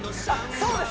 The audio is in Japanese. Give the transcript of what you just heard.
そうです